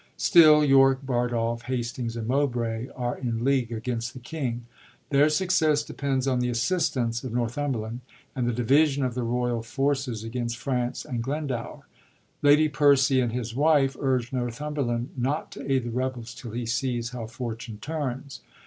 Still, York, Bardolph, Hastings, and Mowbray are in league against the king. Their success depends on the assistance of Northumberland, and the division of the royal forces against France and Glendower. Lady Percy and his wife urge Northumberland not to aid the rebels till he sees how fortune turns.